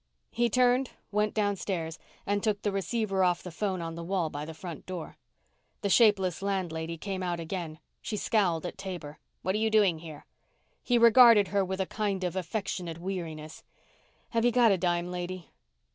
He turned, went downstairs, and took the receiver off the phone on the wall by the front door. The shapeless landlady came out again. She scowled at Taber. "What are you doing here?" He regarded her with a kind of affectionate weariness. "Have you got a dime, lady?"